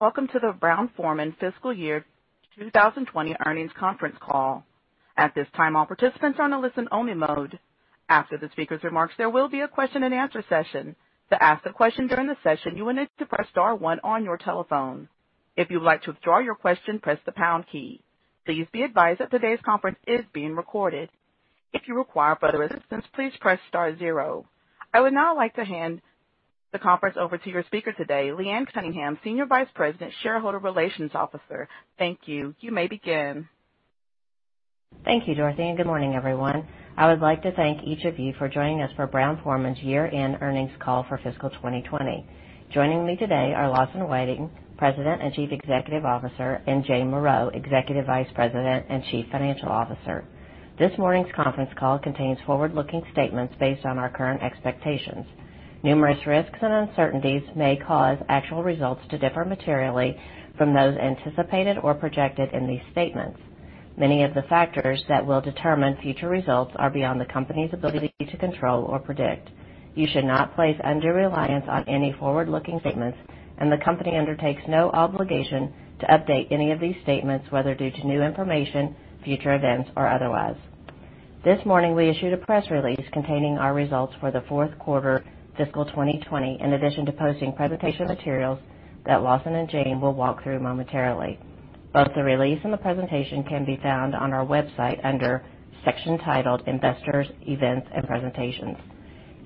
Welcome to the Brown-Forman fiscal year 2020 earnings conference call. At this time, all participants are on a listen-only mode. After the speaker's remarks, there will be a question-and-answer session. To ask a question during the session, you will need to press star one on your telephone. If you'd like to withdraw your question, press the pound key. Please be advised that today's conference is being recorded. If you require further assistance, please press star zero. I would now like to hand the conference over to your speaker today, Leanne Cunningham, Senior Vice President, Shareholder Relations Officer. Thank you. You may begin. Thank you, Dorothy, and good morning, everyone. I would like to thank each of you for joining us for Brown-Forman's year-end earnings call for fiscal 2020. Joining me today are Lawson Whiting, President and Chief Executive Officer, and Jane Morreau, Executive Vice President and Chief Financial Officer. This morning's conference call contains forward-looking statements based on our current expectations. Numerous risks and uncertainties may cause actual results to differ materially from those anticipated or projected in these statements. Many of the factors that will determine future results are beyond the company's ability to control or predict. You should not place undue reliance on any forward-looking statements, and the company undertakes no obligation to update any of these statements, whether due to new information, future events, or otherwise. This morning, we issued a press release containing our results for the fourth quarter fiscal 2020, in addition to posting presentation materials that Lawson and Jane will walk through momentarily. Both the release and the presentation can be found on our website under section titled Investors Events and Presentations.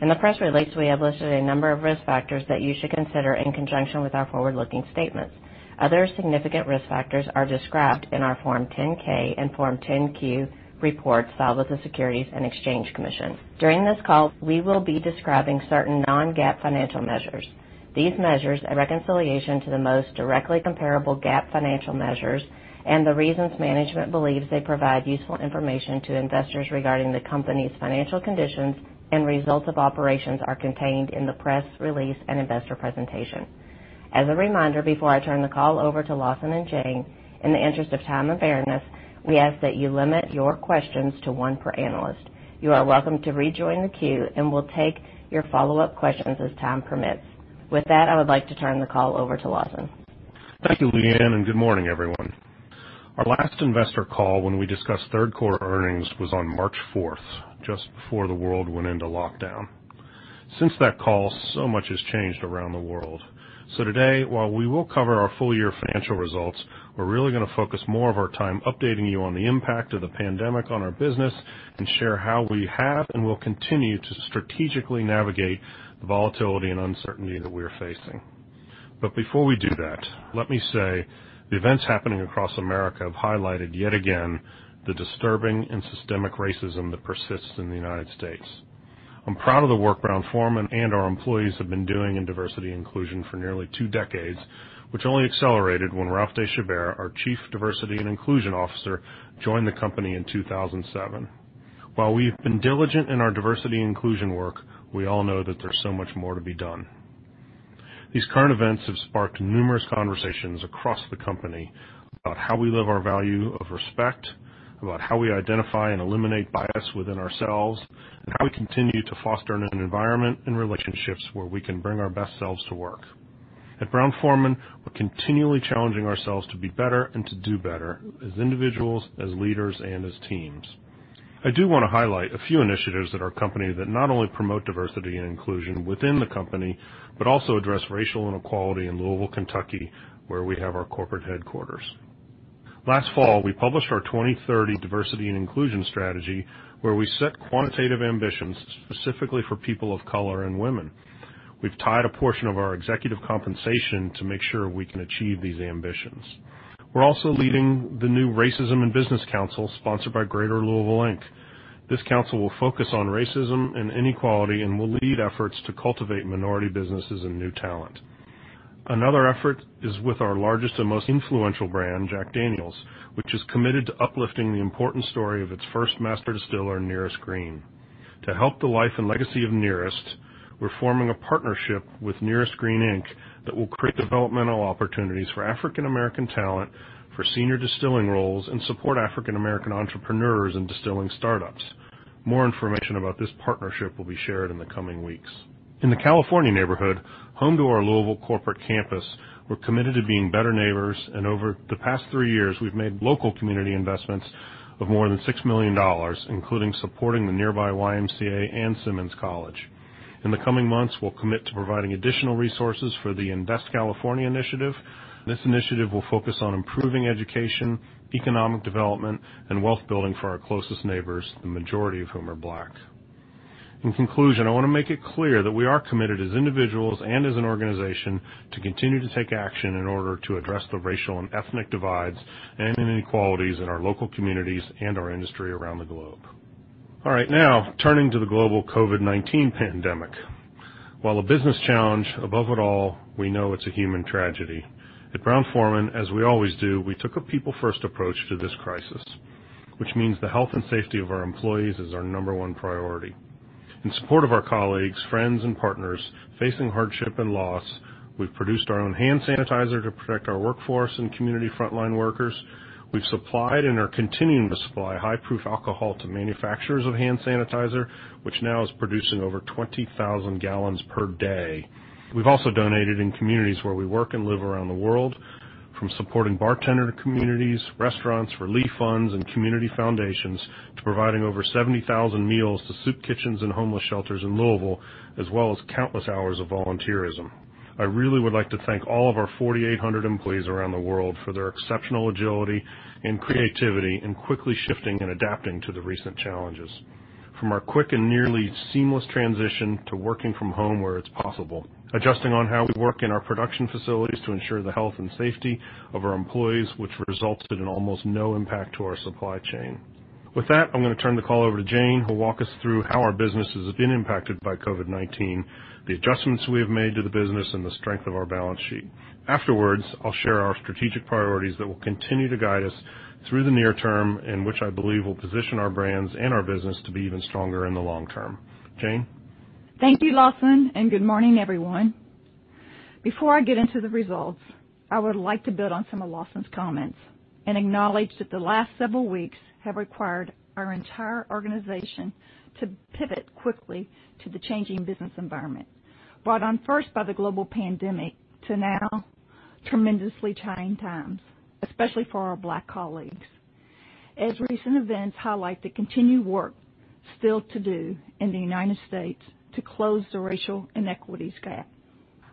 In the press release, we have listed a number of risk factors that you should consider in conjunction with our forward-looking statements. Other significant risk factors are described in our Form 10-K and Form 10-Q reports filed with the Securities and Exchange Commission. During this call, we will be describing certain non-GAAP financial measures. These measures, a reconciliation to the most directly comparable GAAP financial measures, and the reasons management believes they provide useful information to investors regarding the company's financial conditions and results of operations, are contained in the press release and investor presentation. As a reminder, before I turn the call over to Lawson and Jane, in the interest of time and fairness, we ask that you limit your questions to one per analyst. You are welcome to rejoin the queue, and we'll take your follow-up questions as time permits. With that, I would like to turn the call over to Lawson. Thank you, Leanne, and good morning, everyone. Our last investor call when we discussed third quarter earnings was on March 4th, just before the world went into lockdown. Since that call, so much has changed around the world. Today, while we will cover our full year financial results, we're really going to focus more of our time updating you on the impact of the pandemic on our business and share how we have and will continue to strategically navigate the volatility and uncertainty that we are facing. Before we do that, let me say the events happening across America have highlighted yet again the disturbing and systemic racism that persists in the U.S. I'm proud of the work Brown-Forman and our employees have been doing in diversity and inclusion for nearly two decades, which only accelerated when Ralph de Chabert, our Chief Diversity and Inclusion Officer, joined the company in 2007. While we have been diligent in our diversity and inclusion work, we all know that there's so much more to be done. These current events have sparked numerous conversations across the company about how we live our value of respect, about how we identify and eliminate bias within ourselves, and how we continue to foster an environment and relationships where we can bring our best selves to work. At Brown-Forman, we're continually challenging ourselves to be better and to do better as individuals, as leaders, and as teams. I do want to highlight a few initiatives at our company that not only promote diversity and inclusion within the company but also address racial inequality in Louisville, Kentucky, where we have our corporate headquarters. Last fall, we published our 2030 diversity and inclusion strategy, where we set quantitative ambitions specifically for people of color and women. We've tied a portion of our executive compensation to make sure we can achieve these ambitions. We're also leading the new Racism in Business Council, sponsored by Greater Louisville Inc. This council will focus on racism and inequality and will lead efforts to cultivate minority businesses and new talent. Another effort is with our largest and most influential brand, Jack Daniel's, which is committed to uplifting the important story of its first master distiller, Nearest Green. To help the life and legacy of Nearest, we're forming a partnership with Nearest Green Inc. that will create developmental opportunities for African American talent for senior distilling roles and support African American entrepreneurs and distilling startups. More information about this partnership will be shared in the coming weeks. In the California neighborhood, home to our Louisville corporate campus, we're committed to being better neighbors. Over the past three years, we've made local community investments of more than $6 million, including supporting the nearby YMCA and Simmons College. In the coming months, we'll commit to providing additional resources for the Invest California initiative. This initiative will focus on improving education, economic development, and wealth building for our closest neighbors, the majority of whom are Black. In conclusion, I want to make it clear that we are committed as individuals and as an organization to continue to take action in order to address the racial and ethnic divides and inequalities in our local communities and our industry around the globe. All right. Now, turning to the global COVID-19 pandemic. While a business challenge above it all, we know it's a human tragedy. At Brown-Forman, as we always do, we took a people-first approach to this crisis, which means the health and safety of our employees is our number one priority. In support of our colleagues, friends, and partners facing hardship and loss, we've produced our own hand sanitizer to protect our workforce and community frontline workers. We've supplied and are continuing to supply high-proof alcohol to manufacturers of hand sanitizer, which now is producing over 20,000 gallons per day. We've also donated in communities where we work and live around the world. From supporting bartender communities, restaurants, relief funds, and community foundations, to providing over 70,000 meals to soup kitchens and homeless shelters in Louisville, as well as countless hours of volunteerism. I really would like to thank all of our 4,800 employees around the world for their exceptional agility and creativity in quickly shifting and adapting to the recent challenges. From our quick and nearly seamless transition to working from home where it's possible, adjusting on how we work in our production facilities to ensure the health and safety of our employees, which resulted in almost no impact to our supply chain. With that, I'm going to turn the call over to Jane, who'll walk us through how our business has been impacted by COVID-19, the adjustments we have made to the business, and the strength of our balance sheet. Afterwards, I'll share our strategic priorities that will continue to guide us through the near term, and which I believe will position our brands and our business to be even stronger in the long term. Jane? Thank you, Lawson. Good morning, everyone. Before I get into the results, I would like to build on some of Lawson's comments and acknowledge that the last several weeks have required our entire organization to pivot quickly to the changing business environment, brought on first by the global pandemic to now tremendously trying times, especially for our Black colleagues. Recent events highlight the continued work still to do in the U.S. to close the racial inequities gap.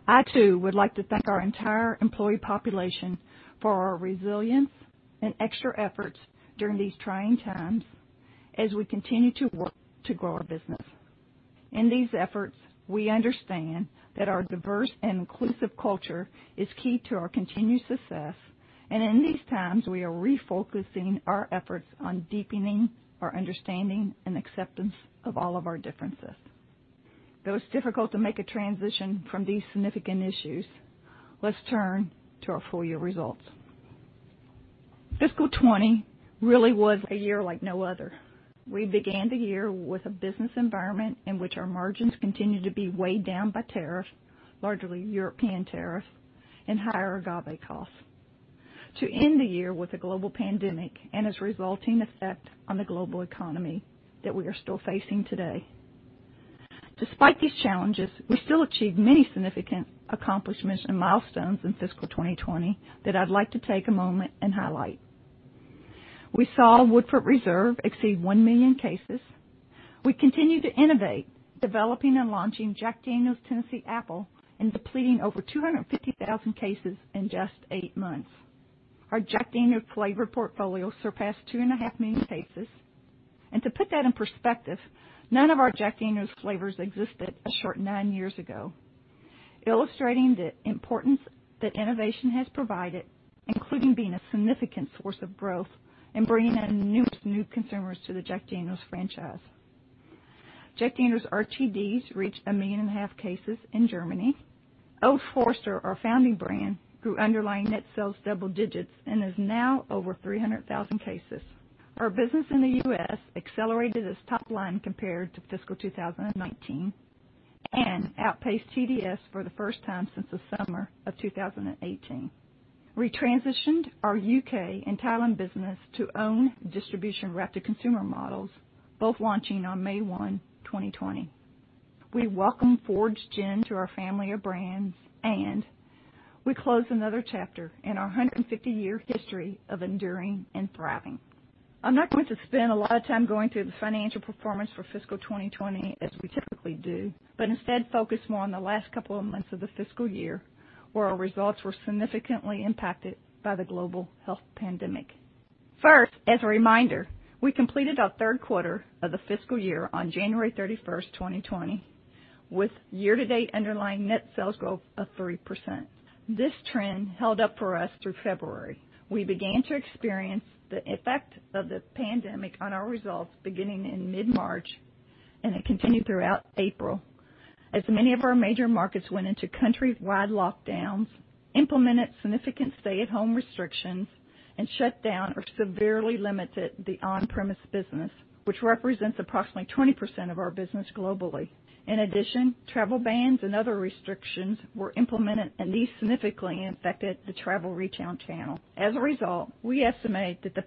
I, too, would like to thank our entire employee population for our resilience and extra efforts during these trying times as we continue to work to grow our business. In these efforts, we understand that our diverse and inclusive culture is key to our continued success, and in these times, we are refocusing our efforts on deepening our understanding and acceptance of all of our differences. It's difficult to make a transition from these significant issues, let's turn to our full-year results. Fiscal 2020 really was a year like no other. We began the year with a business environment in which our margins continued to be weighed down by tariffs, largely European tariffs, and higher agave costs. We ended the year with a COVID-19 global pandemic and its resulting effect on the global economy that we are still facing today. Despite these challenges, we still achieved many significant accomplishments and milestones in fiscal 2020 that I'd like to take a moment and highlight. We saw Woodford Reserve exceed one million cases. We continued to innovate, developing and launching Jack Daniel's Tennessee Apple and depleting over 250,000 cases in just eight months. Our Jack Daniel's flavor portfolio surpassed 2.5 million cases. To put that in perspective, none of our Jack Daniel's flavors existed a short nine years ago. Illustrating the importance that innovation has provided, including being a significant source of growth and bringing in numerous new consumers to the Jack Daniel's franchise. Jack Daniel's RTDs reached a million and a half cases in Germany. Old Forester, our founding brand, grew underlying net sales double digits and is now over 300,000 cases. Our business in the U.S. accelerated its top line compared to fiscal 2019 and outpaced TDS for the first time since the summer of 2018. We transitioned our U.K. and Thailand business to own distribution-wrapped consumer models, both launching on May 1, 2020. We welcome Fords Gin to our family of brands, and we close another chapter in our 150-year history of enduring and thriving. I'm not going to spend a lot of time going through the financial performance for fiscal 2020 as we typically do, but instead focus more on the last couple of months of the fiscal year where our results were significantly impacted by the global health pandemic. First, as a reminder, we completed our third quarter of the fiscal year on January 31st, 2020, with year-to-date underlying net sales growth of 3%. This trend held up for us through February. We began to experience the effect of the pandemic on our results beginning in mid-March, and it continued throughout April. As many of our major markets went into country-wide lockdowns, implemented significant stay-at-home restrictions, and shut down or severely limited the on-premise business, which represents approximately 20% of our business globally. In addition, travel bans and other restrictions were implemented, and these significantly impacted the travel retail channel. As a result, we estimate that the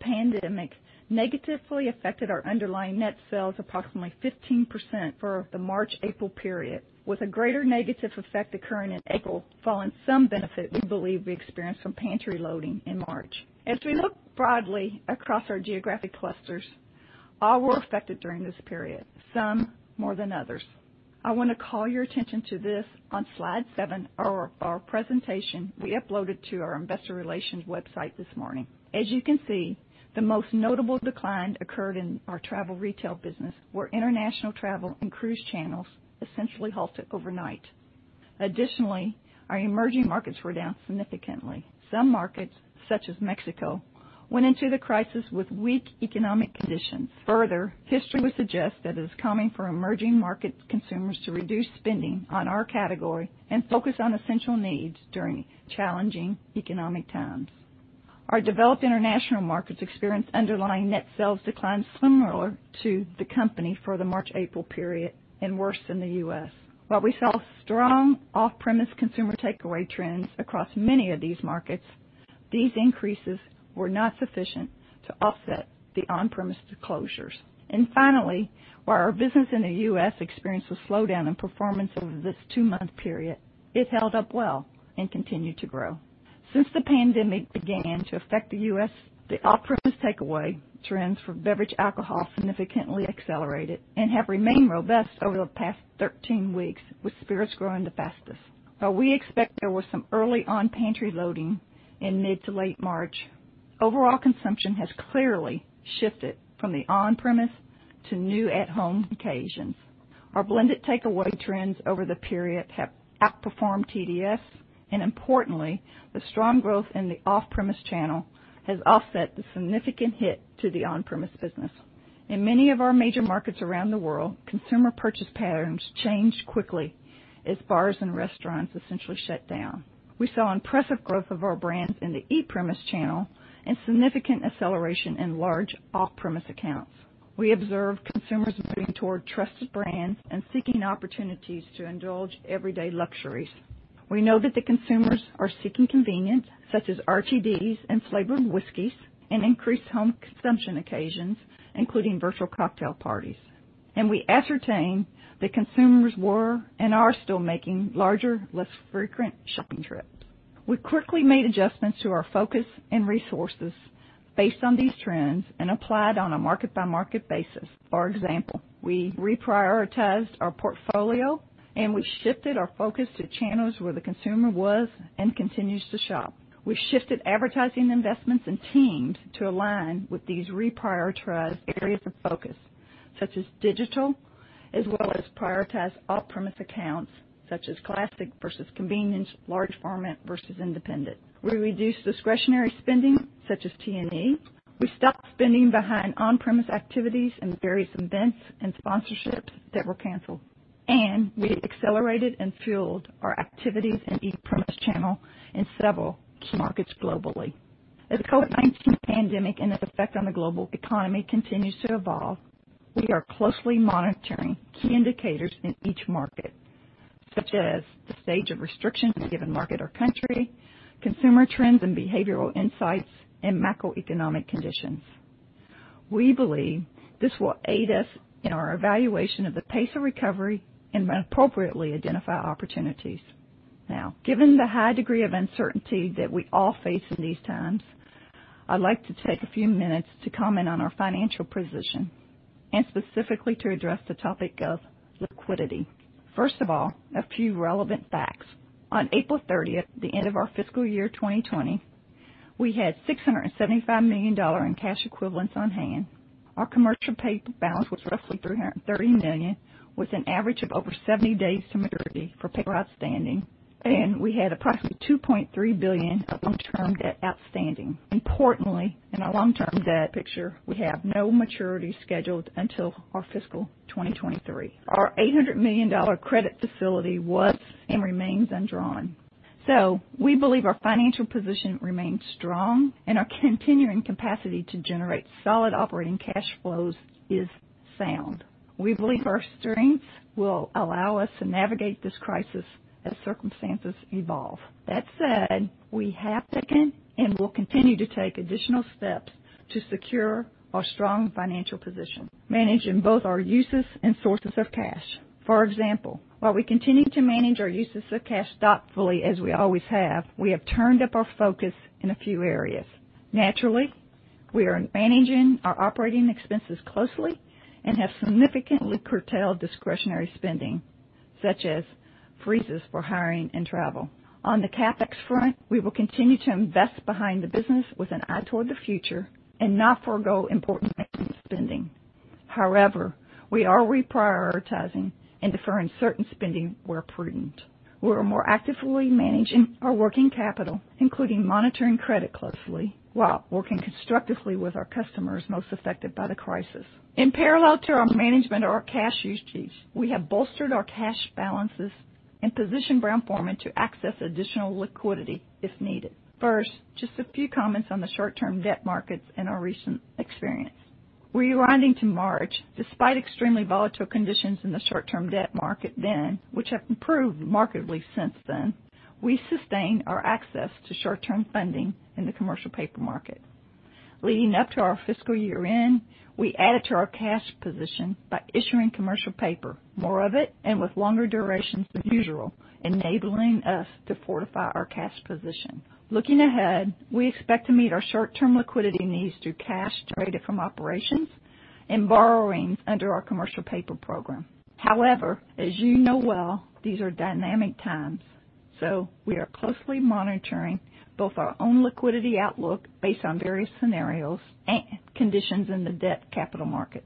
pandemic negatively affected our underlying net sales approximately 15% for the March, April period. With a greater negative effect occurring in April following some benefit we believe we experienced from pantry loading in March. As we look broadly across our geographic clusters, all were affected during this period, some more than others. I want to call your attention to this on slide seven of our presentation we uploaded to our investor relations website this morning. As you can see, the most notable decline occurred in our travel retail business, where international travel and cruise channels essentially halted overnight. Additionally, our emerging markets were down significantly. Some markets, such as Mexico, went into the crisis with weak economic conditions. Further, history would suggest that it is common for emerging market consumers to reduce spending on our category and focus on essential needs during challenging economic times. Our developed international markets experienced underlying net sales declines similar to the company for the March-April period and worse than the U.S. While we saw strong off-premise consumer takeaway trends across many of these markets, these increases were not sufficient to offset the on-premise closures. Finally, while our business in the U.S. experienced a slowdown in performance over this two-month period, it held up well and continued to grow. Since the pandemic began to affect the U.S., the off-premise takeaway trends for beverage alcohol significantly accelerated and have remained robust over the past 13 weeks, with spirits growing the fastest. While we expect there was some early on-pantry loading in mid to late March, overall consumption has clearly shifted from the on-premise to new at-home occasions. Our blended takeaway trends over the period have outperformed TDS, and importantly, the strong growth in the off-premise channel has offset the significant hit to the on-premise business. In many of our major markets around the world, consumer purchase patterns changed quickly as bars and restaurants essentially shut down. We saw impressive growth of our brands in the e-Premise channel and significant acceleration in large off-premise accounts. We observed consumers moving toward trusted brands and seeking opportunities to indulge everyday luxuries. We know that the consumers are seeking convenience, such as RTDs and flavored whiskeys, and increased home consumption occasions, including virtual cocktail parties. We ascertained that consumers were, and are still making larger, less frequent shopping trips. We quickly made adjustments to our focus and resources based on these trends and applied on a market-by-market basis. For example, we reprioritized our portfolio and we shifted our focus to channels where the consumer was and continues to shop. We shifted advertising investments and teams to align with these reprioritized areas of focus, such as digital, as well as prioritized off-premise accounts such as classic versus convenience, large format versus independent. We reduced discretionary spending such as T&E. We stopped spending behind on-premise activities and various events and sponsorships that were canceled. We accelerated and fueled our activities in e-Premise channel in several key markets globally. As the COVID-19 pandemic and its effect on the global economy continues to evolve, we are closely monitoring key indicators in each market, such as the stage of restrictions in a given market or country, consumer trends and behavioral insights, and macroeconomic conditions. We believe this will aid us in our evaluation of the pace of recovery and appropriately identify opportunities. Now, given the high degree of uncertainty that we all face in these times, I'd like to take a few minutes to comment on our financial position and specifically to address the topic of liquidity. First of all, a few relevant facts. On April 30th, the end of our fiscal year 2020, we had $675 million in cash equivalents on hand. Our commercial paper balance was roughly $330 million, with an average of over 70 days to maturity for paper outstanding, and we had approximately $2.3 billion of long-term debt outstanding. Importantly, in our long-term debt picture, we have no maturity scheduled until our fiscal 2023. Our $800 million credit facility was and remains undrawn. We believe our financial position remains strong, and our continuing capacity to generate solid operating cash flows is sound. We believe our strengths will allow us to navigate this crisis as circumstances evolve. That said, we have taken and will continue to take additional steps to secure our strong financial position, managing both our uses and sources of cash. For example, while we continue to manage our uses of cash thoughtfully as we always have, we have turned up our focus in a few areas. Naturally, we are managing our operating expenses closely and have significantly curtailed discretionary spending, such as freezes for hiring and travel. On the CapEx front, we will continue to invest behind the business with an eye toward the future and not forgo important maintenance spending. We are reprioritizing and deferring certain spending where prudent. We are more actively managing our working capital, including monitoring credit closely while working constructively with our customers most affected by the crisis. In parallel to our management of our cash usages, we have bolstered our cash balances and positioned Brown-Forman to access additional liquidity if needed. Just a few comments on the short-term debt markets and our recent experience. Rewinding to March, despite extremely volatile conditions in the short-term debt market then, which have improved markedly since then, we sustained our access to short-term funding in the commercial paper market. Leading up to our fiscal year-end, we added to our cash position by issuing commercial paper, more of it, and with longer durations than usual, enabling us to fortify our cash position. Looking ahead, we expect to meet our short-term liquidity needs through cash generated from operations and borrowings under our commercial paper program. As you know well, these are dynamic times. We are closely monitoring both our own liquidity outlook based on various scenarios and conditions in the debt capital markets.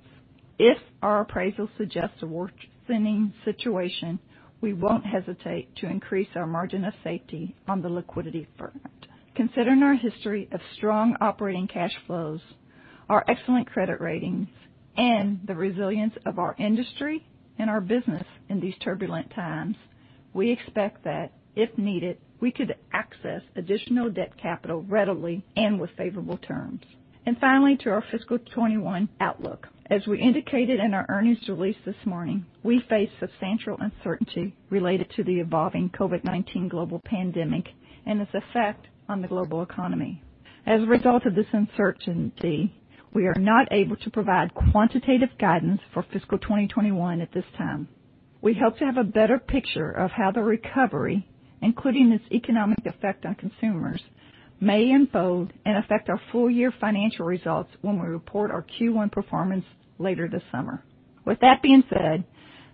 If our appraisal suggests a worsening situation, we won't hesitate to increase our margin of safety on the liquidity front. Considering our history of strong operating cash flows, our excellent credit ratings, and the resilience of our industry and our business in these turbulent times, we expect that, if needed, we could access additional debt capital readily and with favorable terms. Finally, to our fiscal 2021 outlook. As we indicated in our earnings release this morning, we face substantial uncertainty related to the evolving COVID-19 global pandemic and its effect on the global economy. As a result of this uncertainty, we are not able to provide quantitative guidance for fiscal 2021 at this time. We hope to have a better picture of how the recovery, including its economic effect on consumers, may unfold and affect our full-year financial results when we report our Q1 performance later this summer. With that being said,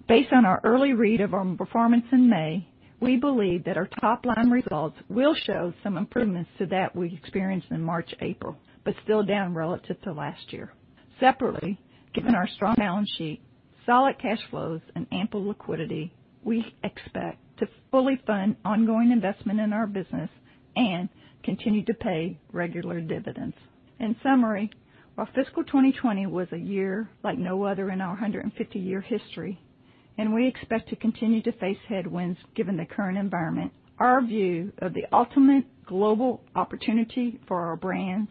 based on our early read of our performance in May, we believe that our top-line results will show some improvements to that we experienced in March, April, but still down relative to last year. Separately, given our strong balance sheet, solid cash flows, and ample liquidity, we expect to fully fund ongoing investment in our business and continue to pay regular dividends. In summary, while fiscal 2020 was a year like no other in our 150-year history, and we expect to continue to face headwinds given the current environment, our view of the ultimate global opportunity for our brands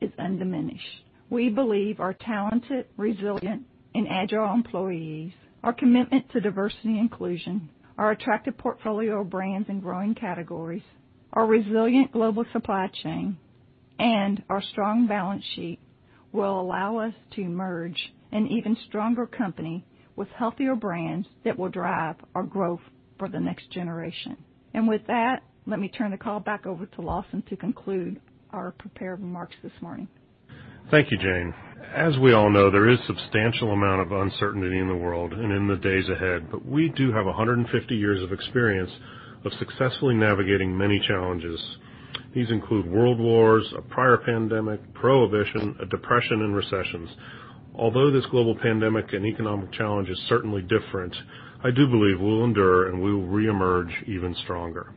is undiminished. We believe our talented, resilient, and agile employees, our commitment to diversity and inclusion, our attractive portfolio of brands in growing categories, our resilient global supply chain, and our strong balance sheet will allow us to emerge an even stronger company with healthier brands that will drive our growth for the next generation. With that, let me turn the call back over to Lawson to conclude our prepared remarks this morning. Thank you, Jane. As we all know, there is substantial amount of uncertainty in the world and in the days ahead, but we do have 150 years of experience of successfully navigating many challenges. These include World Wars, a prior pandemic, Prohibition, a depression, and recessions. Although this global pandemic and economic challenge is certainly different, I do believe we'll endure, and we will reemerge even stronger.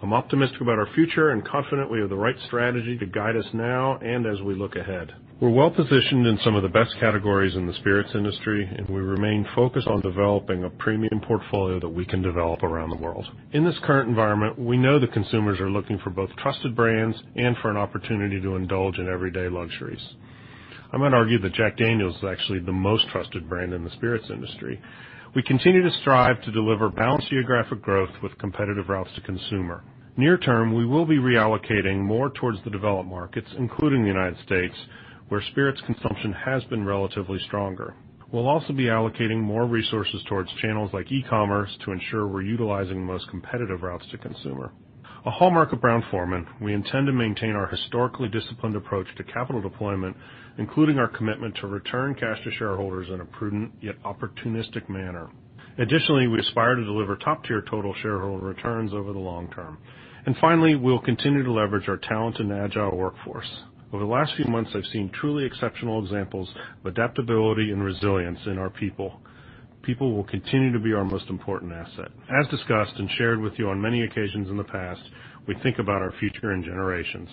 I'm optimistic about our future and confident we have the right strategy to guide us now and as we look ahead. We're well-positioned in some of the best categories in the spirits industry, and we remain focused on developing a premium portfolio that we can develop around the world. In this current environment, we know that consumers are looking for both trusted brands and for an opportunity to indulge in everyday luxuries. I might argue that Jack Daniel's is actually the most trusted brand in the spirits industry. We continue to strive to deliver balanced geographic growth with competitive routes to consumer. Near term, we will be reallocating more towards the developed markets, including the United States, where spirits consumption has been relatively stronger. We'll also be allocating more resources towards channels like e-commerce to ensure we're utilizing the most competitive routes to consumer. A hallmark of Brown-Forman, we intend to maintain our historically disciplined approach to capital deployment, including our commitment to return cash to shareholders in a prudent yet opportunistic manner. Additionally, we aspire to deliver top-tier total shareholder returns over the long term. Finally, we'll continue to leverage our talented and agile workforce. Over the last few months, I've seen truly exceptional examples of adaptability and resilience in our people. People will continue to be our most important asset. As discussed and shared with you on many occasions in the past, we think about our future in generations.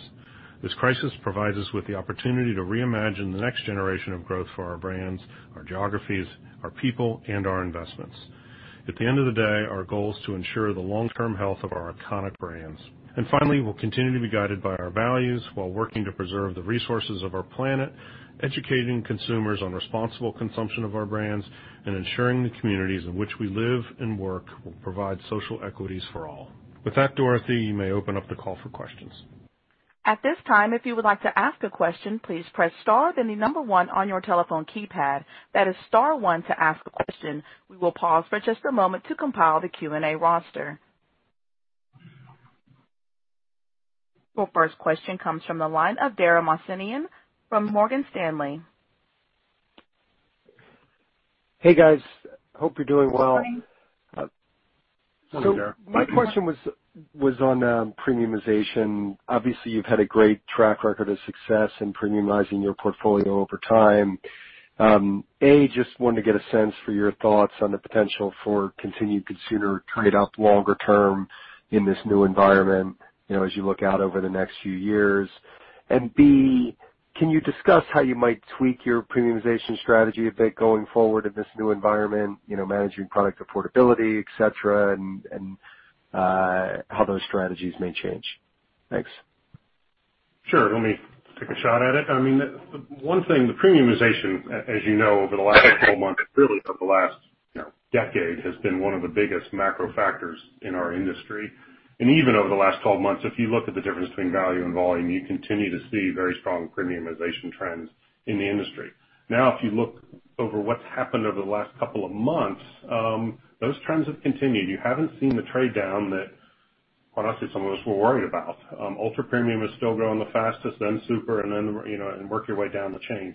This crisis provides us with the opportunity to reimagine the next generation of growth for our brands, our geographies, our people, and our investments. At the end of the day, our goal is to ensure the long-term health of our iconic brands. Finally, we'll continue to be guided by our values while working to preserve the resources of our planet, educating consumers on responsible consumption of our brands, and ensuring the communities in which we live and work will provide social equities for all. With that, Dorothy, you may open up the call for questions. At this time, if you would like to ask a question, please press star, then the number one on your telephone keypad. That is star 1 to ask a question. We will pause for just a moment to compile the Q&A roster. Our first question comes from the line of Dara Mohsenian from Morgan Stanley. Hey, guys. Hope you're doing well. Hey, Dara. My question was on premiumization. Obviously, you've had a great track record of success in premiumizing your portfolio over time. A, just wanted to get a sense for your thoughts on the potential for continued consumer trade up longer term in this new environment, as you look out over the next few years. B, can you discuss how you might tweak your premiumization strategy a bit going forward in this new environment, managing product affordability, et cetera, and how those strategies may change? Thanks. Sure. Let me take a shot at it. One thing, the premiumization, as you know, over the last 12 months, really over the last decade, has been one of the biggest macro factors in our industry. Even over the last 12 months, if you look at the difference between value and volume, you continue to see very strong premiumization trends in the industry. Now, if you look over what's happened over the last couple of months, those trends have continued. You haven't seen the trade down that, quite honestly, some of us were worried about. Ultra-premium is still growing the fastest, then super, then work your way down the chain.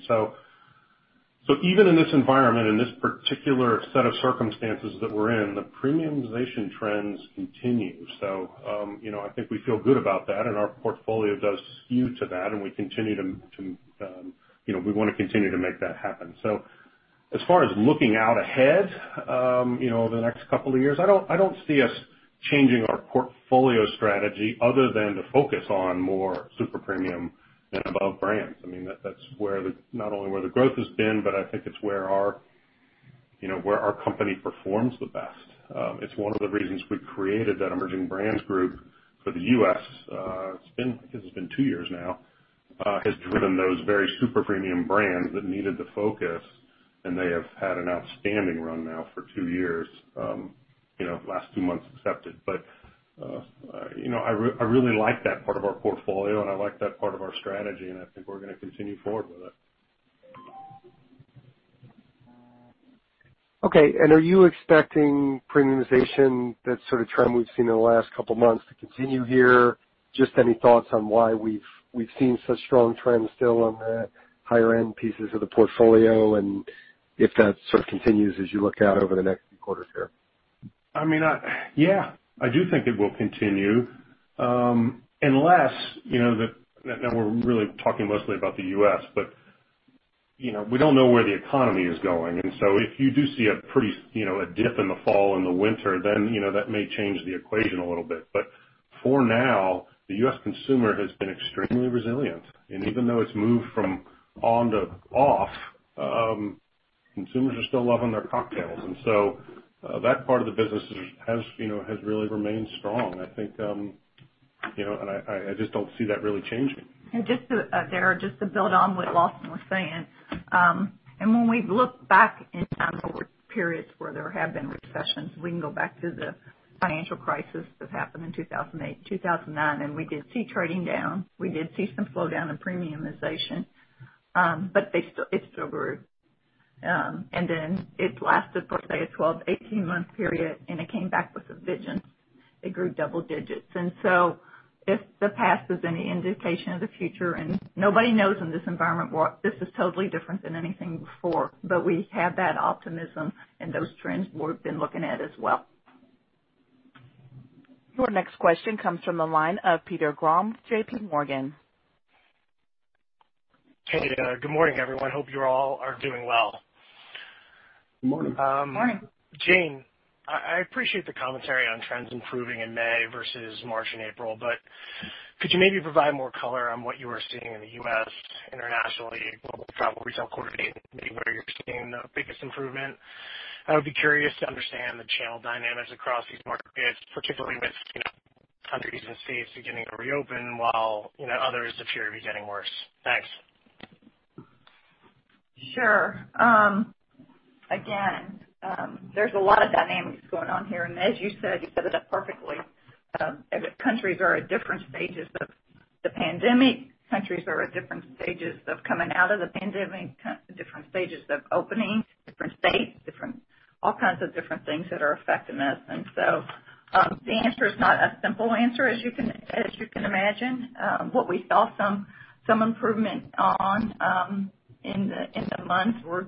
Even in this environment, in this particular set of circumstances that we're in, the premiumization trends continue. I think we feel good about that, and our portfolio does skew to that, and we want to continue to make that happen. As far as looking out ahead the next couple of years, I don't see us changing our portfolio strategy other than to focus on more super premium and above brands. That's not only where the growth has been, but I think it's where our company performs the best. It's one of the reasons we created that emerging brands group for the U.S. I guess it's been two years now, has driven those very super premium brands that needed the focus, and they have had an outstanding run now for two years, last two months excepted. I really like that part of our portfolio, and I like that part of our strategy, and I think we're going to continue forward with it. Okay. Are you expecting premiumization, that sort of trend we've seen in the last couple of months to continue here? Just any thoughts on why we've seen such strong trends still on the higher-end pieces of the portfolio, and if that sort of continues as you look out over the next couple of quarters here? Yeah. I do think it will continue. Now we're really talking mostly about the U.S. We don't know where the economy is going. If you do see a dip in the fall and the winter, that may change the equation a little bit. For now, the U.S. consumer has been extremely resilient. Even though it's moved from on to off, consumers are still loving their cocktails. That part of the business has really remained strong. I just don't see that really changing. Just to, Dara, just to build on what Lawson was saying, when we look back in time over periods where there have been recessions, we can go back to the financial crisis that happened in 2008, 2009, we did see trading down. We did see some slowdown in premiumization. It still grew. It lasted for, say, a 12, 18-month period, it came back with a vengeance. It grew double digits. If the past is any indication of the future, nobody knows in this environment. This is totally different than anything before, we have that optimism and those trends we've been looking at as well. Your next question comes from the line of Peter Grom, JPMorgan. Hey. Good morning, everyone. Hope you all are doing well. Good morning. Morning. Jane, I appreciate the commentary on trends improving in May versus March and April. Could you maybe provide more color on what you are seeing in the U.S., internationally, global travel retail coordinating, maybe where you're seeing the biggest improvement? I would be curious to understand the channel dynamics across these markets, particularly with countries and states beginning to reopen while others appear to be getting worse. Thanks. Sure. There's a lot of dynamics going on here, and as you said, you set it up perfectly. Countries are at different stages of the pandemic. Countries are at different stages of coming out of the pandemic, different stages of opening, different states, all kinds of different things that are affecting this. The answer is not a simple answer, as you can imagine. What we saw some improvement on in the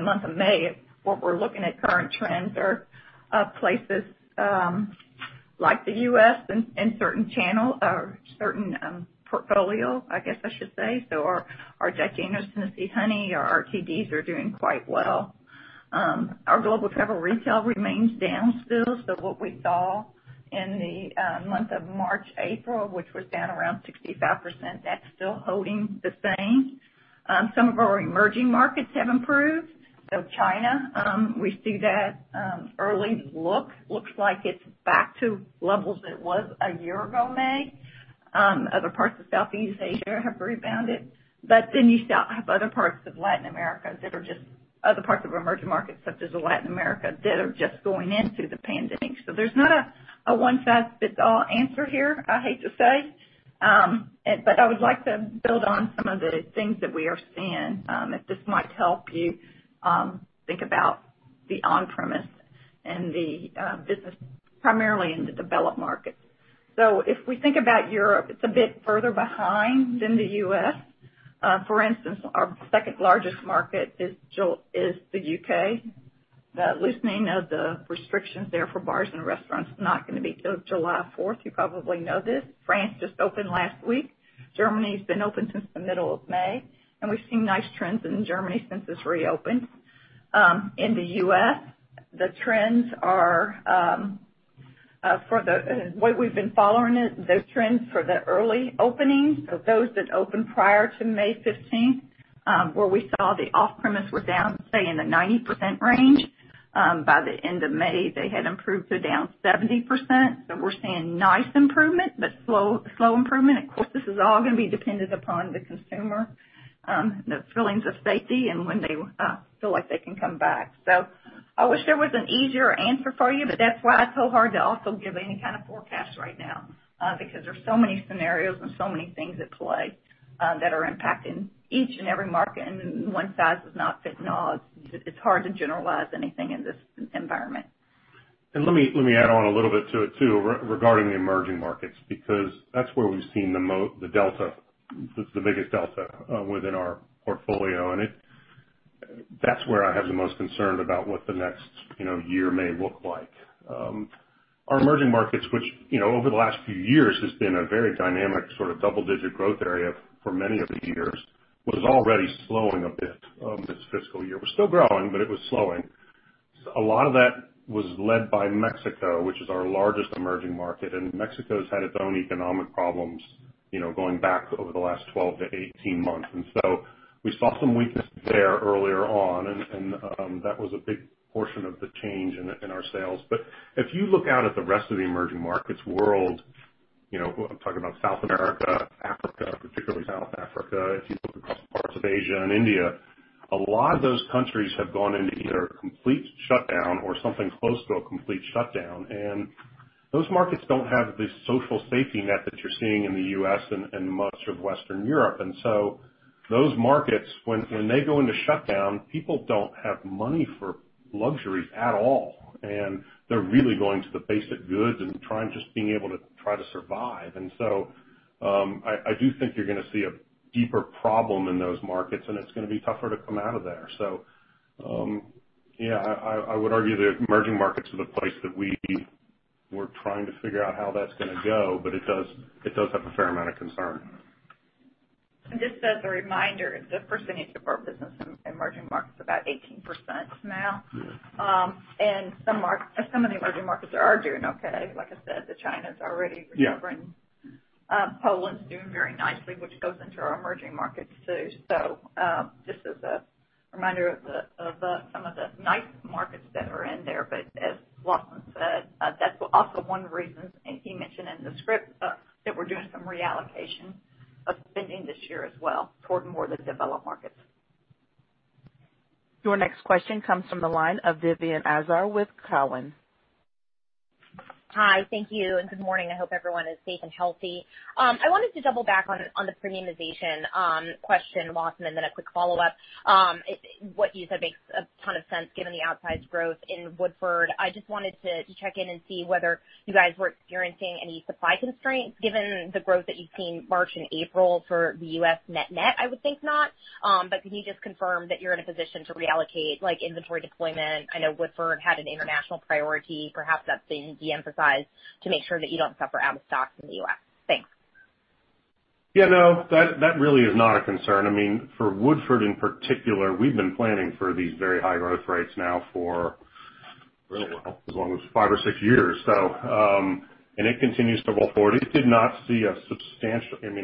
month of May, what we're looking at current trends are places like the U.S. in certain channels or certain portfolios, I guess I should say. Our Jack Daniel's, Tennessee Honey, our RTDs are doing quite well. Our global travel retail remains down still. What we saw in the month of March, April, which was down around 65%, that's still holding the same. Some of our emerging markets have improved. China, we see that early look. Looks like it's back to levels it was a year ago, May. Other parts of Southeast Asia have rebounded. You have other parts of emerging markets such as Latin America that are just going into the pandemic. There's not a one-size-fits-all answer here, I hate to say. I would like to build on some of the things that we are seeing, if this might help you think about the on-premise and the business primarily in the developed markets. If we think about Europe, it's a bit further behind than the U.S. For instance, our second largest market is the U.K. The loosening of the restrictions there for bars and restaurants is not going to be till July 4th. You probably know this. France just opened last week. Germany's been open since the middle of May, and we've seen nice trends in Germany since it's reopened. In the U.S., the trends the way we've been following it, those trends for the early openings, so those that opened prior to May 15th, where we saw the off-premise were down, say in the 90% range. By the end of May, they had improved to down 70%. We're seeing nice improvement, but slow improvement. Of course, this is all going to be dependent upon the consumer, the feelings of safety, and when they feel like they can come back. I wish there was an easier answer for you, but that's why it's so hard to also give any kind of forecast right now. There's so many scenarios and so many things at play that are impacting each and every market, and one size does not fit all. It's hard to generalize anything in this environment. Let me add on a little bit to it, too, regarding the emerging markets, because that's where we've seen the biggest delta within our portfolio, and that's where I have the most concern about what the next year may look like. Our emerging markets, which over the last few years has been a very dynamic sort of double-digit growth area for many of the years, was already slowing a bit this fiscal year. We're still growing, but it was slowing. A lot of that was led by Mexico, which is our largest emerging market, and Mexico's had its own economic problems going back over the last 12-18 months. We saw some weakness there earlier on, and that was a big portion of the change in our sales. If you look out at the rest of the emerging markets world. I'm talking about South America, Africa, particularly South Africa. If you look across parts of Asia and India, a lot of those countries have gone into either complete shutdown or something close to a complete shutdown. Those markets don't have the social safety net that you're seeing in the U.S. and much of Western Europe. Those markets, when they go into shutdown, people don't have money for luxuries at all, and they're really going to the basic goods and trying just being able to try to survive. I do think you're going to see a deeper problem in those markets, and it's going to be tougher to come out of there. Yeah, I would argue that emerging markets are the place that we're trying to figure out how that's going to go, but it does have a fair amount of concern. Just as a reminder, the percentage of our business in emerging markets is about 18% now. Yeah. Some of the emerging markets are doing okay. Like I said, the China's already recovering. Yeah. Poland's doing very nicely, which goes into our emerging markets, too. Just as a reminder of some of the nice markets that are in there. As Lawson said, that's also one reason, and he mentioned in the script, that we're doing some reallocation of spending this year as well toward more of the developed markets. Your next question comes from the line of Vivien Azer with Cowen. Hi. Thank you, and good morning. I hope everyone is safe and healthy. I wanted to double back on the premiumization question, Lawson, and then a quick follow-up. What you said makes a ton of sense given the outsized growth in Woodford. I just wanted to check in and see whether you guys were experiencing any supply constraints given the growth that you've seen March and April for the U.S. net-net. I would think not. Can you just confirm that you're in a position to reallocate inventory deployment? I know Woodford had an international priority. Perhaps that's being de-emphasized to make sure that you don't suffer out of stocks in the U.S. Thanks. Yeah, no. That really is not a concern. For Woodford in particular, we've been planning for these very high growth rates now for, really, as long as five or six years. It continues to roll forward. It did not see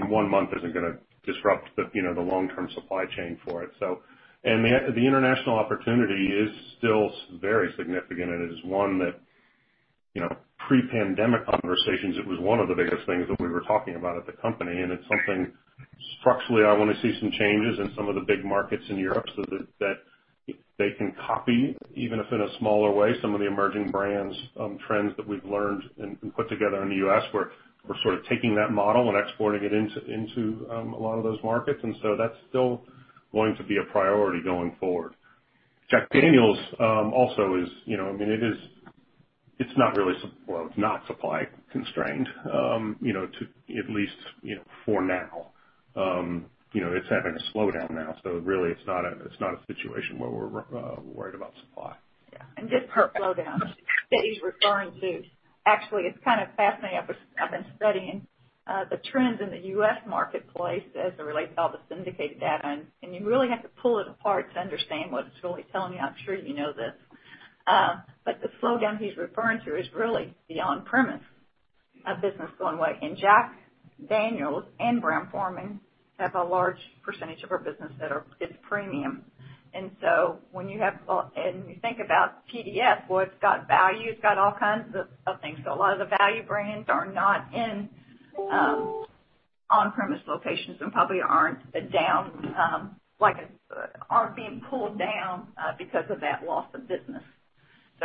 one month isn't going to disrupt the long-term supply chain for it. The international opportunity is still very significant, and it is one that, pre-pandemic conversations, it was one of the biggest things that we were talking about at the company, and it's something structurally I want to see some changes in some of the big markets in Europe so that they can copy, even if in a smaller way, some of the emerging brands trends that we've learned and put together in the U.S. We're sort of taking that model and exporting it into a lot of those markets. That's still going to be a priority going forward. Jack Daniel's also is not supply constrained, at least for now. It's having a slowdown now. Really it's not a situation where we're worried about supply. Yeah. Just per slowdown that he's referring to, actually, it's kind of fascinating. I've been studying the trends in the U.S. marketplace as it relates to all the syndicated data, and you really have to pull it apart to understand what it's really telling you. I'm sure you know this. The slowdown he's referring to is really the on-premise of business going away. Jack Daniel's and Brown-Forman have a large percentage of our business that is premium. You think about TDS, well, it's got value, it's got all kinds of things. A lot of the value brands are not in on-premise locations and probably aren't being pulled down because of that loss of business.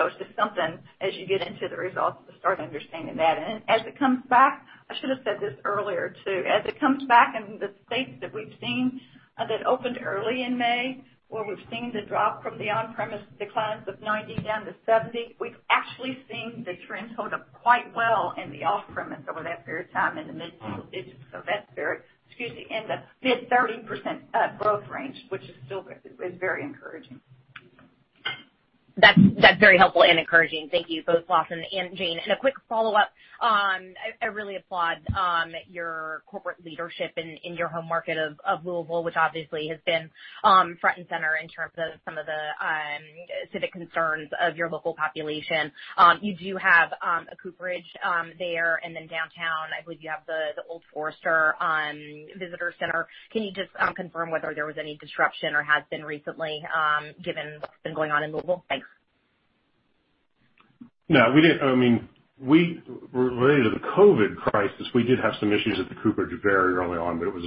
It's just something as you get into the results to start understanding that. As it comes back, I should have said this earlier, too. As it comes back in the states that we've seen that opened early in May, where we've seen the drop from the on-premise declines of 90% down to 70%, we've actually seen the trends hold up quite well in the off-premise over that period of time in the mid, excuse me, in the 30% growth range, which is still very encouraging. That's very helpful and encouraging. Thank you, both Lawson and Jane. A quick follow-up. I really applaud your corporate leadership in your home market of Louisville, which obviously has been front and center in terms of some of the civic concerns of your local population. You do have a Cooperage there. Downtown, I believe you have the Old Forester Visitor Center. Can you just confirm whether there was any disruption or has been recently given what's been going on in Louisville? Thanks. No. Related to the COVID-19 crisis, we did have some issues at the Cooperage very early on, but it was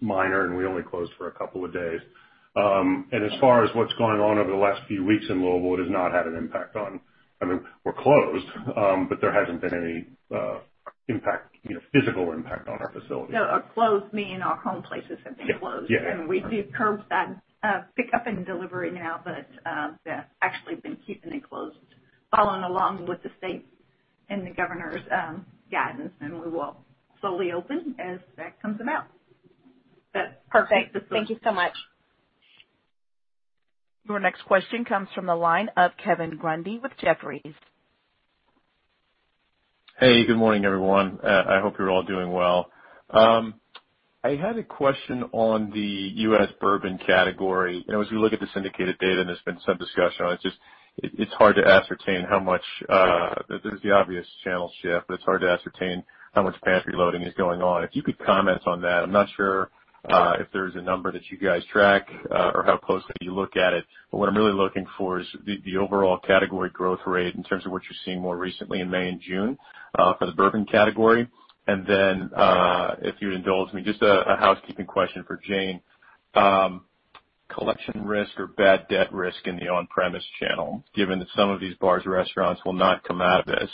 minor, and we only closed for a couple of days. As far as what's going on over the last few weeks in Louisville, it has not had an impact. We're closed, but there hasn't been any physical impact on our facility. No. Closed meaning our home places have been closed. Yeah. We've curbed that pick-up and delivery now, but yeah, actually been keeping it closed, following along with the state and the governor's guidance, and we will slowly open as that comes about. Perfect. Thank you so much. Your next question comes from the line of Kevin Grundy with Jefferies. Hey, good morning, everyone. I hope you're all doing well. I had a question on the U.S. bourbon category. As we look at the syndicated data, and there's been some discussion on it, there's the obvious channel shift, but it's hard to ascertain how much pantry loading is going on. If you could comment on that. I'm not sure if there's a number that you guys track or how closely you look at it. What I'm really looking for is the overall category growth rate in terms of what you're seeing more recently in May and June for the bourbon category. Then, if you'd indulge me, just a housekeeping question for Jane. Collection risk or bad debt risk in the on-premise channel, given that some of these bars or restaurants will not come out of this.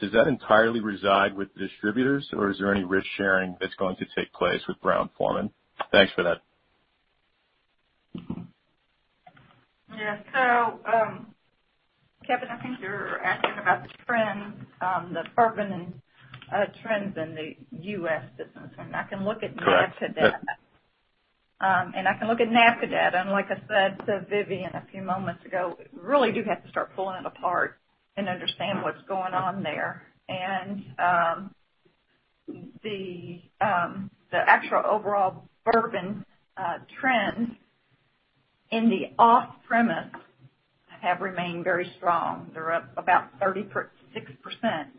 Does that entirely reside with distributors, or is there any risk-sharing that's going to take place with Brown-Forman? Thanks for that. Yeah. Kevin, I think you're asking about the trends, the bourbon trends in the U.S. business. Correct. NABCA data. I can look at NABCA data, and like I said to Vivien a few moments ago, really do have to start pulling it apart and understand what's going on there. The actual overall bourbon trends in the off-premise have remained very strong. They're up about 36%.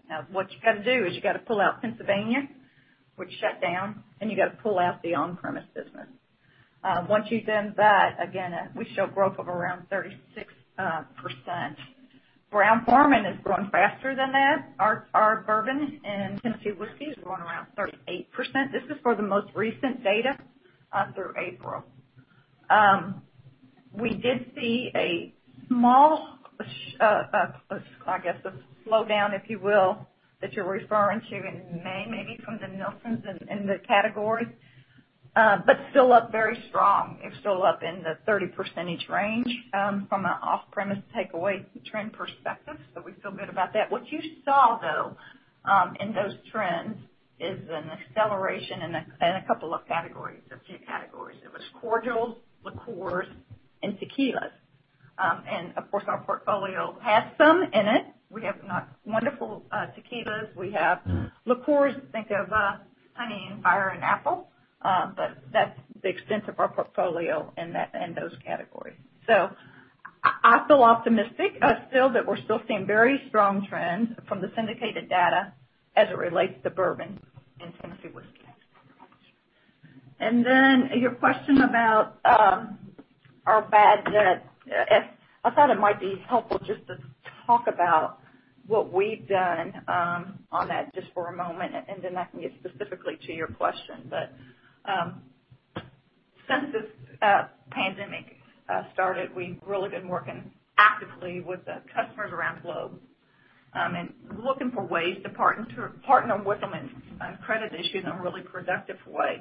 Now, what you got to do is you got to pull out Pennsylvania, which shut down, and you got to pull out the on-premise business. Once you've done that, again, we show growth of around 36%. Brown-Forman is growing faster than that. Our bourbon and Tennessee whiskey is growing around 38%. This is for the most recent data, through April. We did see a small, I guess, a slowdown, if you will, that you're referring to in May, maybe from the Nielsen in the category. Still up very strong. It's still up in the 30% range, from an off-premise takeaway trend perspective. We feel good about that. What you saw, though, in those trends is an acceleration in a few categories. It was cordials, liqueurs, and tequilas. Of course, our portfolio has some in it. We have wonderful tequilas. We have liqueurs. Think of Honey & Fire and Apple. That's the extent of our portfolio in those categories. I feel optimistic still that we're still seeing very strong trends from the syndicated data as it relates to bourbon and Tennessee whiskey. Your question about our bad debt. I thought it might be helpful just to talk about what we've done on that just for a moment, and then I can get specifically to your question. Since this pandemic started, we've really been working actively with the customers around the globe, and looking for ways to partner with them on credit issues in a really productive way.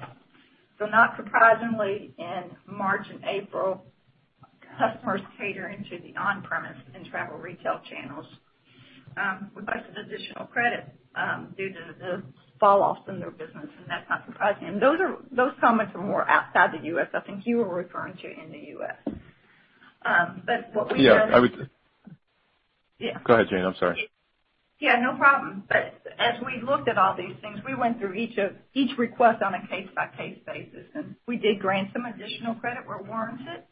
Not surprisingly, in March and April, customers catering to the on-premise and travel retail channels requested additional credit due to the fall-offs in their business, and that's not surprising. Those comments are more outside the U.S. I think you were referring to in the U.S. Yeah, I would- Yeah. Go ahead, Jane, I'm sorry. Yeah, no problem. As we looked at all these things, we went through each request on a case-by-case basis, and we did grant some additional credit where warranted.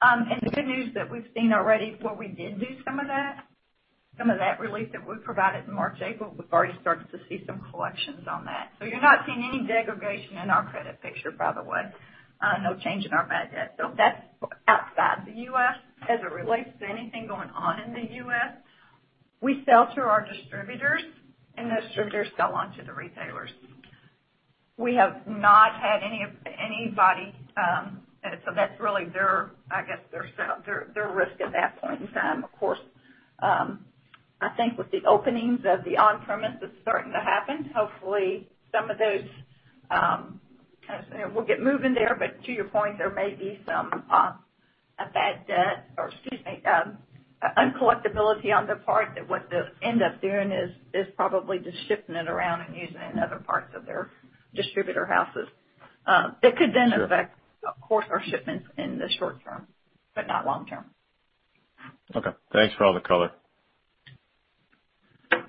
The good news that we've seen already, where we did do some of that relief that we provided in March, April, we've already started to see some collections on that. You're not seeing any degradation in our credit picture, by the way. No change in our bad debt. That's outside the U.S. As it relates to anything going on in the U.S., we sell through our distributors, and those distributors sell on to the retailers. That's really their risk at that point in time. Of course, I think with the openings of the on-premise that's starting to happen, hopefully some of those will get moving there. To your point, there may be some bad debt, or excuse me, uncollectibility on their part that what they'll end up doing is probably just shifting it around and using it in other parts of their distributor houses. Sure. That could then affect, of course, our shipments in the short term, but not long term. Okay. Thanks for all the color.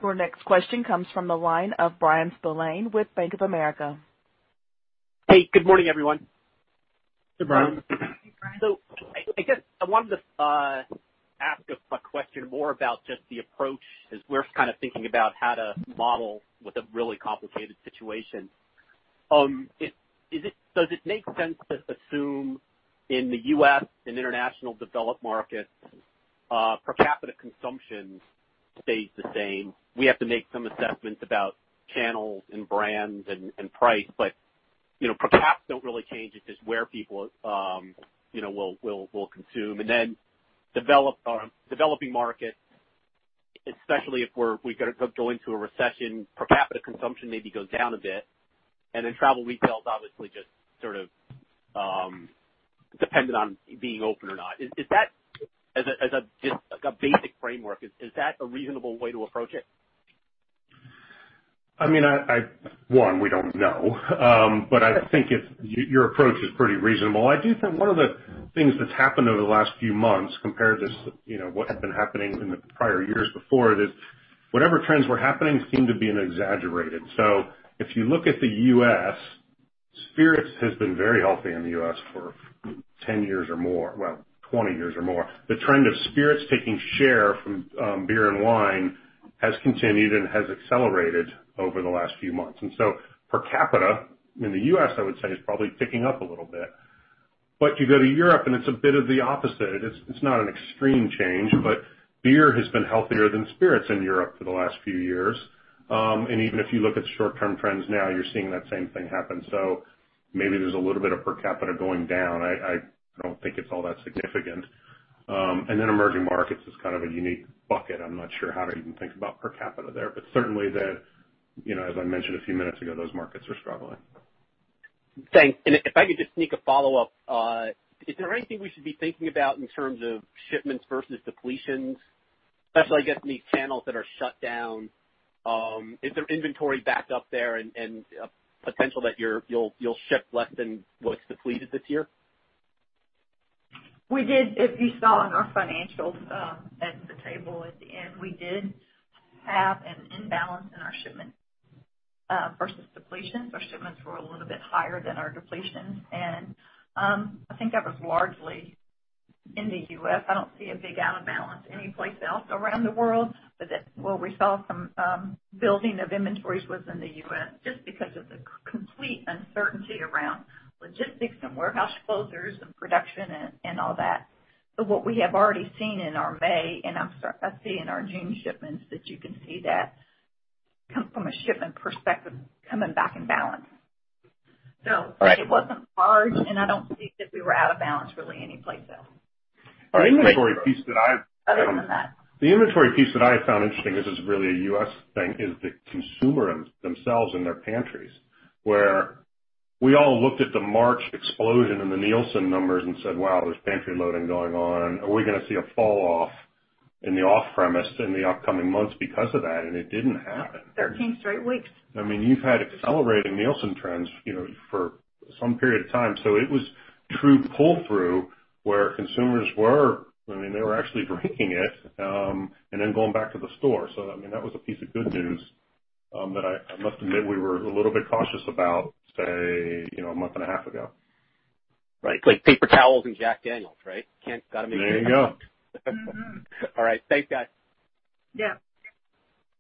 Your next question comes from the line of Bryan Spillane with Bank of America. Hey, good morning, everyone. Hey, Bryan. Hey, Bryan. I wanted to ask a question more about just the approach, as we're kind of thinking about how to model with a really complicated situation. Does it make sense to assume in the U.S. and international developed markets, per capita consumption stays the same? We have to make some assessments about channels and brands and price, but per caps don't really change. It's just where people will consume. Developing markets, especially if we go into a recession, per capita consumption maybe goes down a bit, and then travel retail is obviously just sort of dependent on being open or not. As a basic framework, is that a reasonable way to approach it? One, we don't know. I think your approach is pretty reasonable. I do think one of the things that's happened over the last few months, compared to what had been happening in the prior years before it, is whatever trends were happening seem to been exaggerated. If you look at the U.S., spirits has been very healthy in the U.S. for 10 years or more. Well, 20 years or more. The trend of spirits taking share from beer and wine has continued and has accelerated over the last few months. Per capita in the U.S., I would say, is probably ticking up a little bit. You go to Europe and it's a bit of the opposite. It's not an extreme change, but beer has been healthier than spirits in Europe for the last few years. Even if you look at short-term trends now, you're seeing that same thing happen. Maybe there's a little bit of per capita going down. I don't think it's all that significant. Emerging markets is kind of a unique bucket. I'm not sure how to even think about per capita there. Certainly, as I mentioned a few minutes ago, those markets are struggling. Thanks. If I could just sneak a follow-up. Is there anything we should be thinking about in terms of shipments versus depletions, especially, I guess, in these channels that are shut down? Is there inventory backed up there and potential that you'll ship less than what's depleted this year? We did. If you saw in our financials, at the table at the end, we did have an imbalance in our shipment versus depletions. Our shipments were a little bit higher than our depletions. I think that was largely in the U.S. I don't see a big out of balance anyplace else around the world, where we saw some building of inventories was in the U.S., just because of the complete uncertainty around logistics and warehouse closures and production and all that. What we have already seen in our May, I'm seeing our June shipments, that you can see that from a shipment perspective, coming back in balance. Right. It wasn't large, and I don't see that we were out of balance really anyplace else. The inventory piece that Other than that. The inventory piece that I found interesting, this is really a U.S. thing, is the consumer themselves and their pantries. Where we all looked at the March explosion in the Nielsen numbers and said, "Wow, there's pantry loading going on. Are we going to see a fall-off in the off-premise in the upcoming months because of that?" It didn't happen. 13 straight weeks. You've had accelerating Nielsen trends for some period of time. It was true pull-through, where consumers were actually drinking it, and then going back to the store. That was a piece of good news, that I must admit we were a little bit cautious about, say, a month and a half ago. Right. Like paper towels and Jack Daniel's, right? Gotta make sure. There you go. All right. Thanks, guys. Yeah.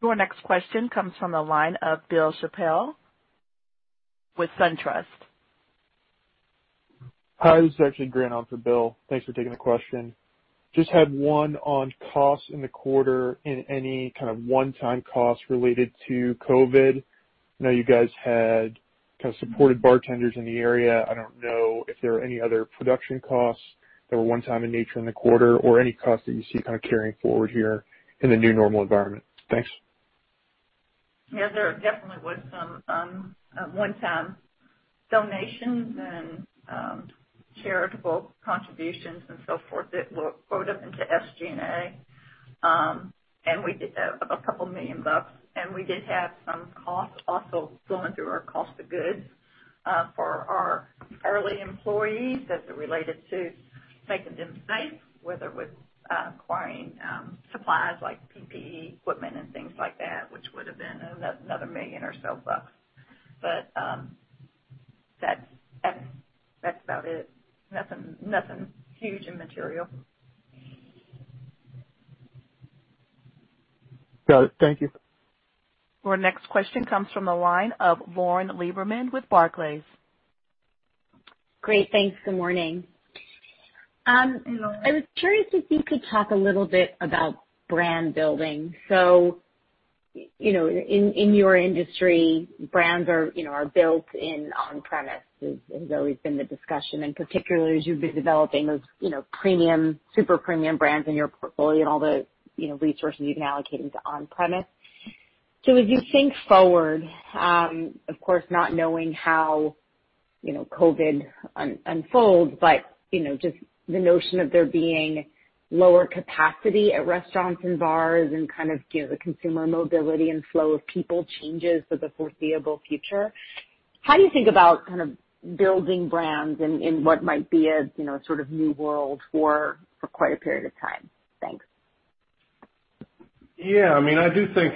Your next question comes from the line of Bill Chappell with SunTrust. Hi, this is actually Grant on for Bill. Thanks for taking the question. Just had one on costs in the quarter. Any kind of one-time cost related to COVID? I know you guys had kind of supported bartenders in the area. I don't know if there are any other production costs that were one time in nature in the quarter or any costs that you see kind of carrying forward here in the new normal environment. Thanks. There definitely was some one-time donations and charitable contributions and so forth that we'll quote up into SG&A. A couple million bucks. We did have some costs also going through our cost of goods, for our hourly employees, as it related to making them safe, whether with acquiring supplies like PPE equipment and things like that, which would've been another million or so bucks. That's about it. Nothing huge and material. Got it. Thank you. Our next question comes from the line of Lauren Lieberman with Barclays. Great, thanks. Good morning. Hello. I was curious if you could talk a little bit about brand building. In your industry, brands are built in on-premise. Has always been the discussion. In particular, as you've been developing those premium, super premium brands in your portfolio and all the resources you've been allocating to on-premise. As you think forward, of course, not knowing how COVID unfolds, but just the notion of there being lower capacity at restaurants and bars and kind of the consumer mobility and flow of people changes for the foreseeable future. How do you think about building brands in what might be a sort of new world for quite a period of time? Thanks. I do think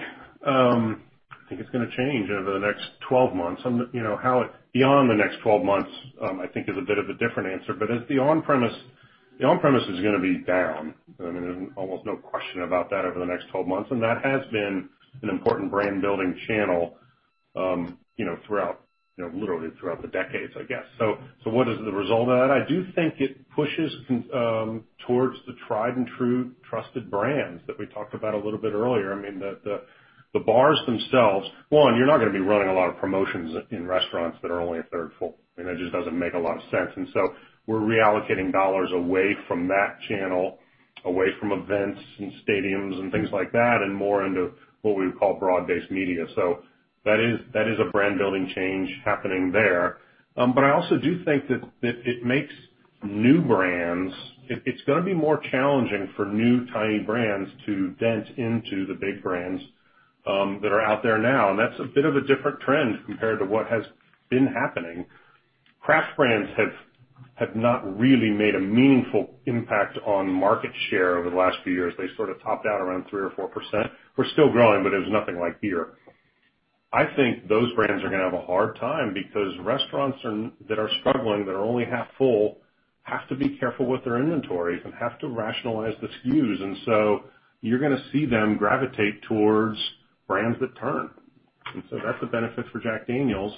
it's going to change over the next 12 months. Beyond the next 12 months, I think is a bit of a different answer. The on-premise is going to be down. There's almost no question about that over the next 12 months, and that has been an important brand-building channel literally throughout the decades, I guess. What is the result of that? I do think it pushes towards the tried and true trusted brands that we talked about a little bit earlier. The bars themselves One, you're not going to be running a lot of promotions in restaurants that are only a third full. It just doesn't make a lot of sense. We're reallocating dollars away from that channel, away from events and stadiums and things like that, and more into what we would call broad-based media. That is a brand-building change happening there. I also do think that it makes new brands It's going to be more challenging for new tiny brands to dent into the big brands that are out there now. That's a bit of a different trend compared to what has been happening. Craft brands have not really made a meaningful impact on market share over the last few years. They sort of topped out around 3% or 4%, were still growing, but it was nothing like beer. I think those brands are going to have a hard time because restaurants that are struggling, that are only half full, have to be careful with their inventories and have to rationalize the SKUs. You're going to see them gravitate towards brands that turn. That's a benefit for Jack Daniel's.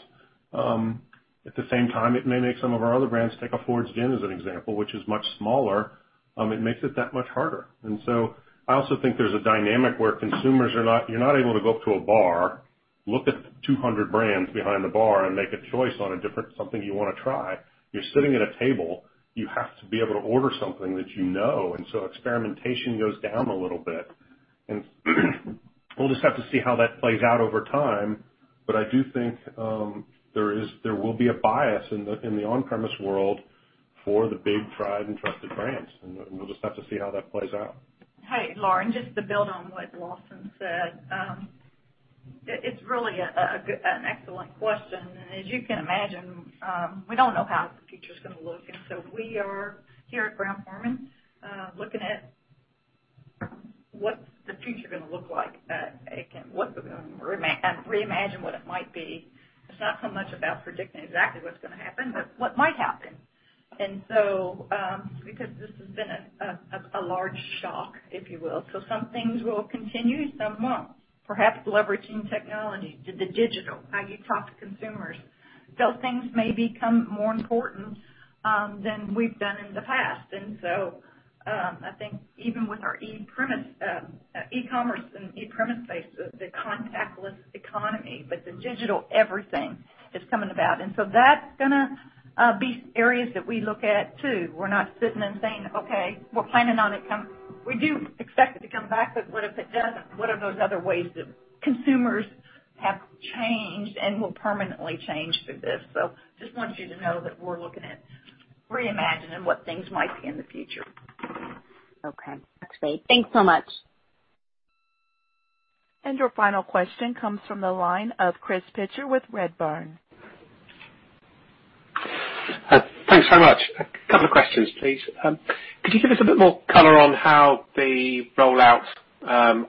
At the same time, it may make some of our other brands, take a Fords Gin as an example, which is much smaller, it makes it that much harder. I also think there's a dynamic where You're not able to go up to a bar, look at 200 brands behind the bar, and make a choice on a different something you want to try. You're sitting at a table. You have to be able to order something that you know, and so experimentation goes down a little bit. We'll just have to see how that plays out over time. I do think there will be a bias in the on-premise world for the big tried and trusted brands. We'll just have to see how that plays out. Hey, Lauren, just to build on what Lawson said. It's really an excellent question. As you can imagine, we don't know how the future's going to look. We are, here at Brown-Forman, looking at what's the future going to look like and reimagine what it might be. It's not so much about predicting exactly what's going to happen, but what might happen. Because this has been a large shock, if you will. Some things will continue, some won't. Perhaps leveraging technology, the digital, how you talk to consumers. Things may become more important than we've done in the past. I think even with our e-commerce and e-premise space, the contactless economy, but the digital everything is coming about. That's gonna be areas that we look at, too. We're not sitting and saying, "Okay, we're planning on it. We do expect it to come back, but what if it doesn't? What are those other ways that consumers have changed and will permanently change through this?" Just wanted you to know that we're looking at reimagining what things might be in the future. Okay. Thanks, Jane. Thanks so much. Your final question comes from the line of Chris Pitcher with Redburn. Thanks very much. A couple of questions, please. Could you give us a bit more color on how the rollout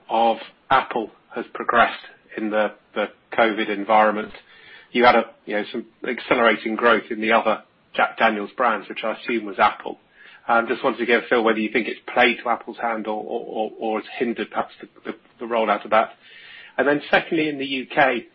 of Apple has progressed in the COVID-19 environment? You had some accelerating growth in the other Jack Daniel's brands, which I assume was Apple. Wanted to get a feel whether you think it's played to Apple's hand or it's hindered perhaps the rollout of that. Secondly, in the U.K.,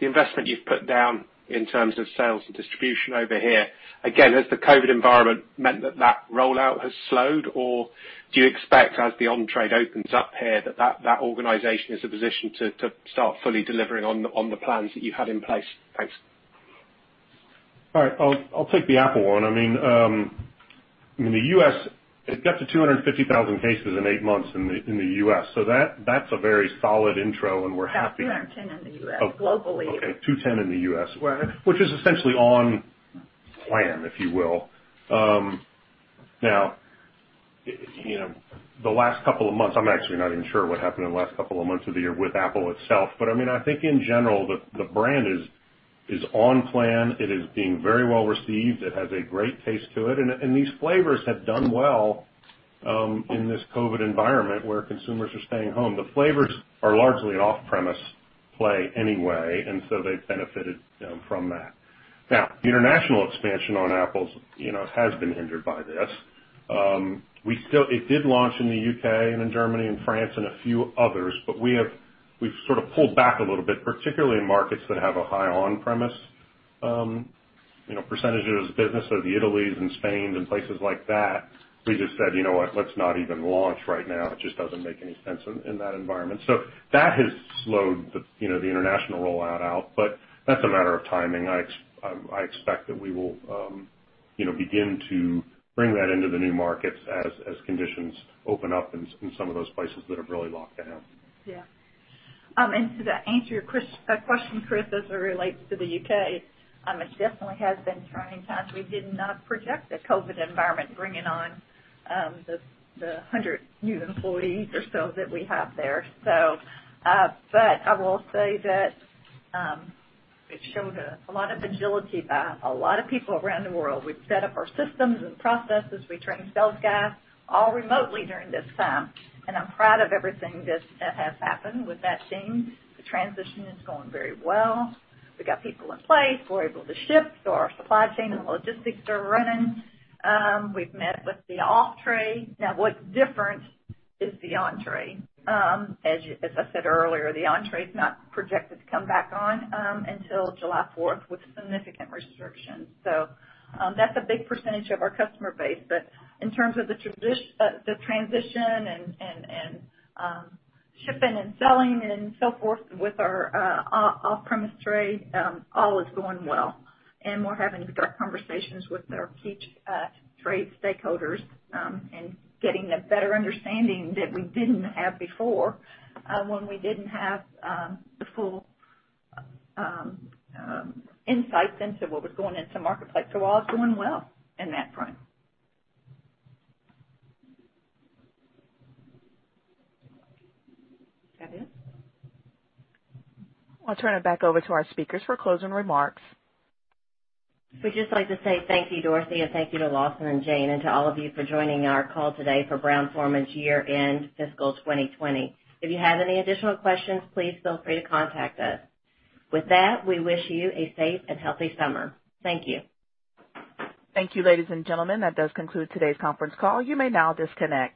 the investment you've put down in terms of sales and distribution over here. Has the COVID-19 environment meant that that rollout has slowed, or do you expect as the on-trade opens up here, that that organization is a position to start fully delivering on the plans that you had in place? Thanks. All right, I'll take the Apple one. It got to 250,000 cases in eight months in the U.S. That's a very solid intro. We're happy. That's 210 in the U.S. Okay, 210 in the U.S., which is essentially on plan, if you will. Now, the last couple of months, I'm actually not even sure what happened in the last couple of months of the year with Apple itself. I think in general, the brand is on plan. It is being very well received. It has a great taste to it. These flavors have done well, in this COVID-19 environment where consumers are staying home. The flavors are largely an off-premise play anyway, and so they've benefited from that. Now, the international expansion on Apple's has been hindered by this. It did launch in the U.K. and in Germany and France and a few others, but we've sort of pulled back a little bit, particularly in markets that have a high on-premise percentages business. The Italys and Spains and places like that. We just said, "You know what? Let's not even launch right now. It just doesn't make any sense in that environment." That has slowed the international rollout, but that's a matter of timing. I expect that we will begin to bring that into the new markets as conditions open up in some of those places that are really locked down. Yeah. To answer your question, Chris, as it relates to the U.K., it definitely has been trying times. We did not project the COVID environment bringing on the 100 new employees or so that we have there. I will say that it showed a lot of agility by a lot of people around the world. We've set up our systems and processes. We trained sales guys all remotely during this time, and I'm proud of everything that has happened with that team. The transition is going very well. We got people in place. We're able to ship. Our supply chain and logistics are running. We've met with the off-trade. Now, what's different is the on-trade. As I said earlier, the on-trade's not projected to come back on until July 4th with significant restrictions. That's a big percentage of our customer base. In terms of the transition and shipping and selling and so forth with our off-premise trade, all is going well. We're having conversations with our key trade stakeholders, and getting a better understanding that we didn't have before, when we didn't have the full insights into what was going into marketplace. All is doing well in that front. That it? I'll turn it back over to our speakers for closing remarks. We'd just like to say thank you, Dorothy, and thank you to Lawson and Jane, and to all of you for joining our call today for Brown-Forman's year-end fiscal 2020. If you have any additional questions, please feel free to contact us. With that, we wish you a safe and healthy summer. Thank you. Thank you, ladies and gentlemen. That does conclude today's conference call. You may now disconnect.